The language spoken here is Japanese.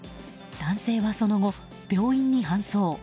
男性はその後、病院に搬送。